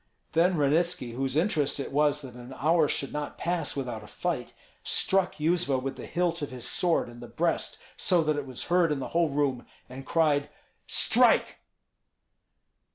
Then Ranitski, whose interest it was that an hour should not pass without a fight, struck Yuzva with the hilt of his sword in the breast, so that it was heard in the whole room, and cried, "Strike!"